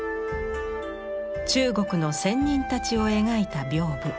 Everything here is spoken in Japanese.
中国の仙人たちを描いた屏風。